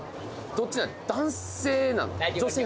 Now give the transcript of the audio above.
どっちなん？